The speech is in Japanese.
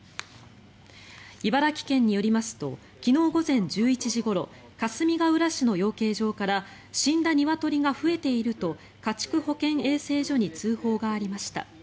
茨城県によりますと昨日午前１１時ごろかすみがうら市の養鶏場から死んだニワトリが増えていると家畜保健衛生所に通報がありました。